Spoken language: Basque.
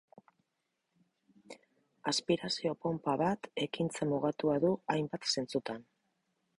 Aspirazio-ponpa bat ekintza mugatua du hainbat zentzutan.